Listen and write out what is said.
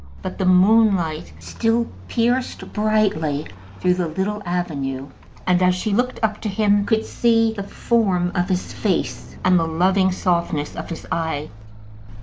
But the moonlight still pierced brightly through the little avenue, and she, as she looked up to him, could see the form of his face and the loving softness of his eye.